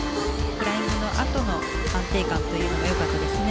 フライングのあとの安定感も良かったですね。